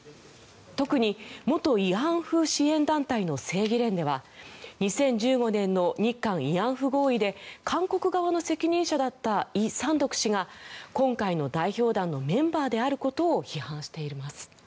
特に元慰安婦支援団体の正義連では２０１５年の日韓慰安婦合意で韓国側の責任者だったイ・サンドク氏が今回の代表団のメンバーであることを批判しています。